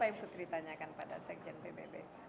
apa yang putri tanyakan pada sekjen pbb